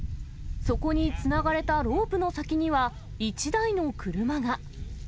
そこにつながれたロープの先には、１台の車が。